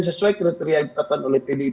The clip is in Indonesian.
sesuai kriteria yang ditetapkan oleh pdip